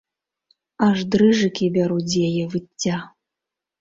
Аж дрыжыкі бяруць з яе выцця!